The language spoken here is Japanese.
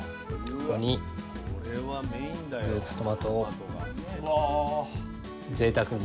ここにフルーツトマトをぜいたくに。